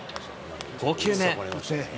５球目。